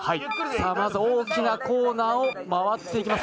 まず大きなコーナーを曲がっていきます。